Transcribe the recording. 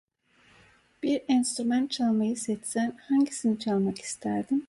Bir enstrüman çalmayı seçsen hangisini çalmak isterdin?